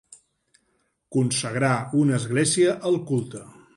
Consagrar una església al culte.